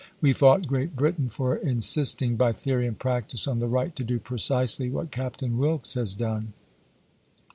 We fought G reat Britain for insisting, by theory and practice, on the right to do precisely what Captain Wilkes has done.